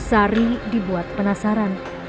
sari dibuat penasaran